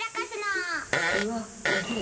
うわっうぜえ。